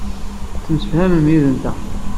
Tettemsefhamem yid-nteɣ.